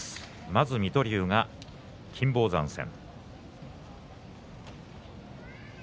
まず水戸龍が金峰山戦。